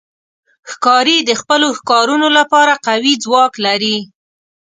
ښکاري د خپلو ښکارونو لپاره قوي ځواک لري.